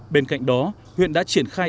bên cạnh đó huyện đã triển khai